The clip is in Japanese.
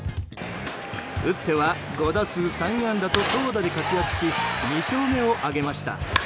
打っては５打数３安打と投打に活躍し２勝目を挙げました。